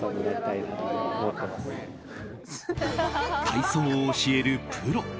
体操を教えるプロ。